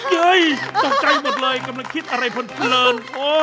เฮ้ยตกใจหมดเลยกำลังคิดอะไรเพลิน